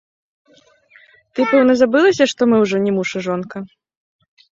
Ты, пэўна, забылася, што мы ўжо не муж і жонка?